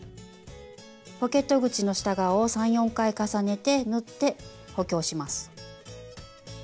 ポケット口の下側を３４回重ねて縫って補強します。